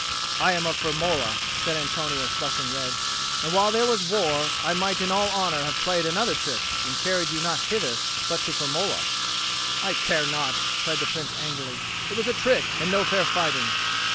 "I am of Firmola," said Antonio, flushing red. "And while there was war, I might in all honour have played another trick, and carried you not hither, but to Firmola." "I care not," cried the Prince angrily. "It was a trick, and no fair fighting."